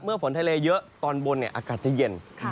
เมื่อฝนทะเลเยอะตอนบนเนี่ยอากาศจะเย็น